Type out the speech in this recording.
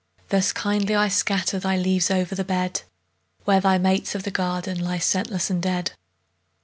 Thus kindly I scatter Thy leaves o'er the bed, Where thy mates of the garden Lie scentless and dead.